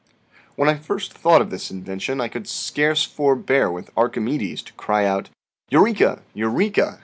PERPETUAL MOTION 51 "When I first thought of this invention, I could scarce forbear, with Archimedes, to cry out 'Eureka! Eureka!'